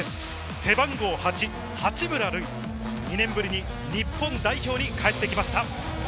背番号８、八村塁２年ぶりに日本代表に帰ってきました。